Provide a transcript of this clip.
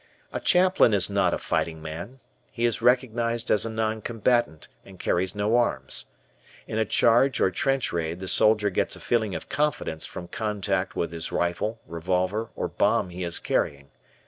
A chaplain is not a fighting man; he is recognized as a non combatant and carries no arms. In a charge or trench raid the soldier gets a feeling of confidence from contact with his rifle, revolver, or bomb he is carrying.